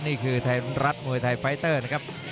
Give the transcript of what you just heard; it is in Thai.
นี่คือไทยรัฐมวยไทยไฟเตอร์นะครับ